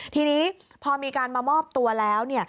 ทีนี้พอมีการมามอบตัวแล้ว